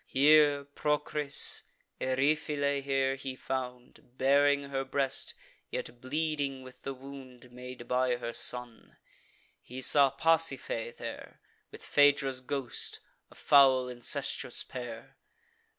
Here Procris, Eriphyle here he found, Baring her breast, yet bleeding with the wound Made by her son. He saw Pasiphae there, With Phaedra's ghost, a foul incestuous pair.